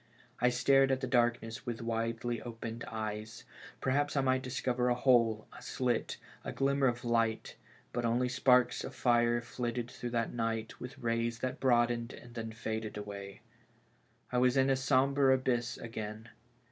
I stared at the darkness with widely opened eyes; perhaps I might discover a hole, a slit, a glimmer of light; but only sparks of fire flitted through that night, with rays that broadened and then faded away. I was in a sombre abyss again.